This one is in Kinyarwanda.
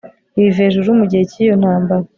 ibivejuru mu gihe cy'iyo ntambara